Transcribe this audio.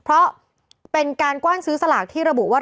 เพราะเป็นการกว้านซื้อสลากที่ระบุว่า